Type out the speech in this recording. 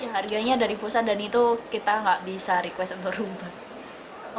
harganya dari pusat dan itu kita nggak bisa request untuk rubah